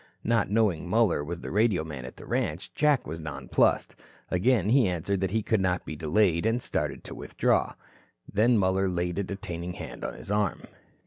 Not knowing Muller was the radio man at the ranch, Jack was nonplussed. Again he answered that he could not be delayed, and started to withdraw. Then Muller laid a detaining hand on his arm.